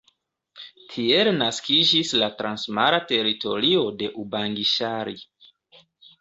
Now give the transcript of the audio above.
Tiel naskiĝis la Transmara Teritorio de Ubangi-Ŝari.